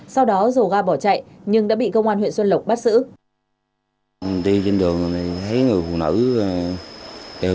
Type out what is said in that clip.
sau đó dồ ga bỏ chạy nhưng đã bị công an huyện xuân lộc bắt giữ